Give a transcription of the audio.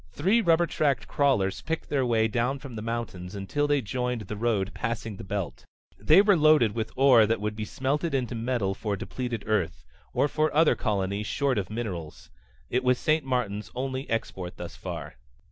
Three rubber tracked crawlers picked their way down from the mountains until they joined the road passing the belt. They were loaded with ore that would be smelted into metal for depleted Earth, or for other colonies short of minerals. It was St. Martin's only export thus far.